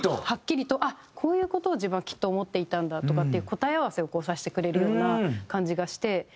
はっきりとあっこういう事を自分はきっと思っていたんだとかっていう答え合わせをさせてくれるような感じがして。